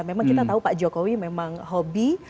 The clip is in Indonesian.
memang kita tahu pak jokowi memang hobi